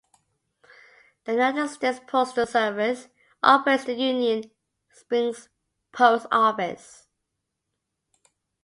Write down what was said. The United States Postal Service operates the Union Springs Post Office.